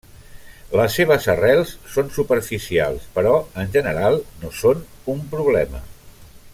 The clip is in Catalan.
Les seves arrels són superficials però en general no són un problema.